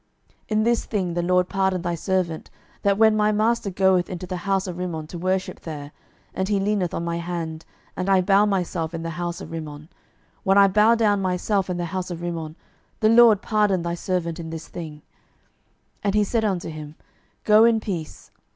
12:005:018 In this thing the LORD pardon thy servant, that when my master goeth into the house of Rimmon to worship there, and he leaneth on my hand, and I bow myself in the house of Rimmon: when I bow down myself in the house of Rimmon, the LORD pardon thy servant in this thing. 12:005:019 And he said unto him, Go in peace.